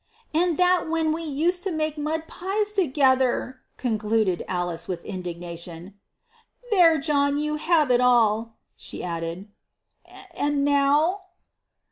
"And that when we used to make mud pies together!" concluded Alice with indignation. "There, John! you have it all," she added. " And now?"